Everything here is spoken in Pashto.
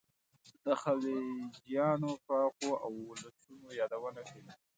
د خلجیانو پراخو اولسونو یادونه کوي.